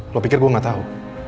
lo pikir gue gak tahu